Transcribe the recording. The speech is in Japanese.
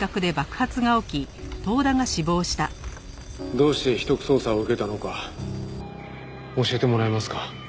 どうして秘匿捜査を受けたのか教えてもらえますか？